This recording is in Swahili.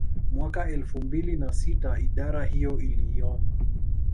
Mwaka elfu mbili na sita idara hiyo iliomba